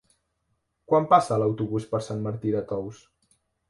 Quan passa l'autobús per Sant Martí de Tous?